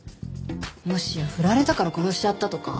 もしや振られたから殺しちゃったとか？